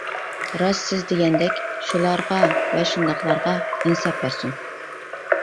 راست سىز دېگەندەك شۇلارغا ۋە شۇنداقلارغا ئىنساب بەرسۇن!